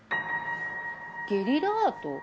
ゲリラアート？